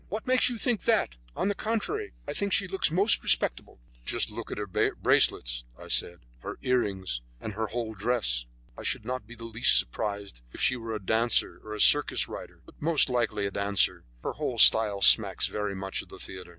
"What makes you think that? On the contrary, I think she looks most respectable." "Just look at her bracelets," I said, "her earrings and her whole dress. I should not be the least surprised if she were a dancer or a circus rider, but most likely a dancer. Her whole style smacks very much of the theatre."